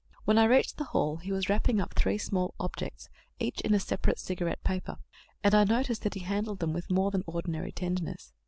When I reached the hall, he was wrapping up three small objects, each in a separate cigarette paper; and I noticed that he handled them with more than ordinary tenderness.